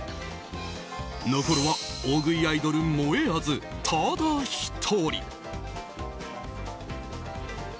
残るは、大食いアイドルもえあず、ただ１人。